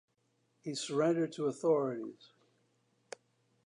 He surrendered to authorities.